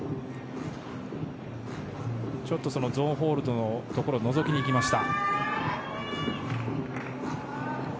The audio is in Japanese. ちょっとゾーンホールドをのぞきにいきました。